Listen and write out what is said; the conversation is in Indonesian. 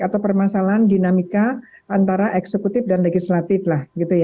atau permasalahan dinamika antara eksekutif dan legislatif lah